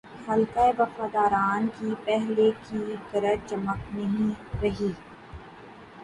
حلقۂ وفاداران کی پہلے کی گرج چمک نہیںرہی۔